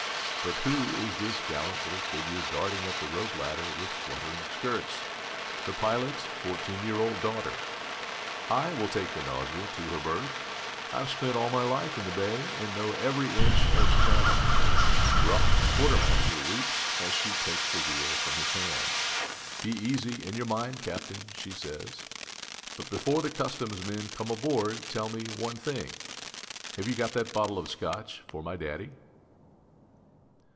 But who is this gallant little figure darting up the rope ladder with fluttering skirts? The pilot's fourteen year old daughter. 'I will take the Nausea to her berth! I've spent all my life in the Bay, and know every inch of the channel.' Rough quartermaster weeps as she takes the wheel from his hands. 'Be easy in your mind, Captain,' she says; 'but before the customs men come aboard tell me one thing have you got that bottle of Scotch for my Daddy?'"